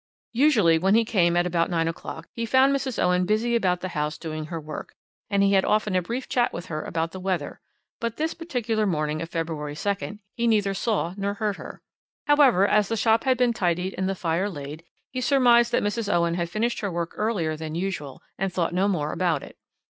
"Usually, when he came at about nine o'clock, he found Mrs. Owen busy about the house doing her work, and he had often a brief chat with her about the weather, but on this particular morning of February 2nd he neither saw nor heard her. However, as the shop had been tidied and the fire laid, he surmised that Mrs. Owen had finished her work earlier than usual, and thought no more about it.